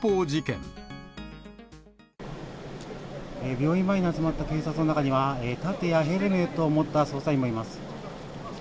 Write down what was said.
病院前に集まった警察の中には、盾やヘルメットを持った捜査員もいます。